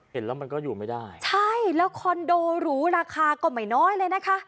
เห็นแล้วมันก็อยู่ไม่ได้ใช่แล้วคอนโดหรูราคาก็ไม่น้อยเลยนะคะ